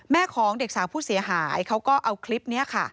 ของเด็กสาวผู้เสียหายเขาก็เอาคลิปนี้ค่ะ